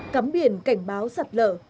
cắm biển cảnh báo sạt lở